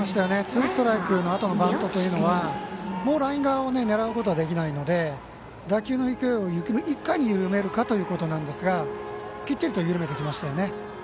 ツーストライクのあとのバントというのはライン側を狙うことはできないので打球の勢いは、いかに緩めるかということなんですがきっちり緩めてきましたね。